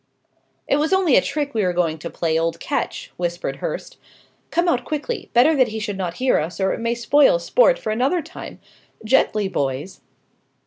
"It was only a trick we were going to play old Ketch," whispered Hurst. "Come out quickly; better that he should not hear us, or it may spoil sport for another time. Gently, boys!"